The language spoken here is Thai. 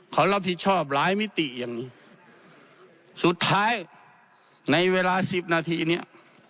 เขารับผิดชอบหลายมิติอย่างสุดท้ายในเวลาสิบนาทีเนี้ย